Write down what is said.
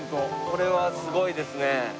これはすごいですね。